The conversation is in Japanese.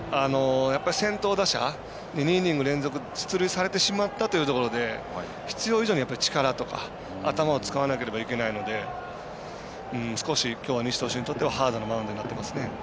やっぱり先頭打者に２イニング連続出塁されてしまったというところで必要以上に力とか頭を使わなければいけないので少しきょう西投手にとってはハードなマウンドになってますね。